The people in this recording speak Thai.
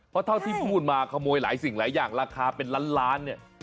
เพราะเท่าที่พูดมาขโมยหลายสิ่งหลายอย่างราคาเป็นล้านล้านเนี่ย